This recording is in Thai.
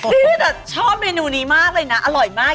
นี่แต่ชอบเมนูนี้มากเลยนะอร่อยมาก